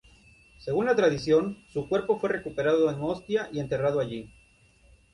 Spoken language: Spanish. Según la tradición, su cuerpo fue recuperado en Ostia y enterrado allí.